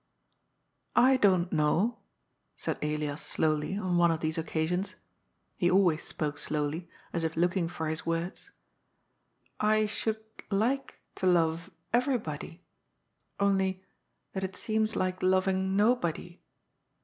*' I don't know," said Elias slowly on one of these occasions. He always spoke slowly, as if looking for his words. *^ I should like to love everybody, only that it seems like loving nobody.